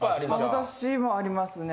私もありますね。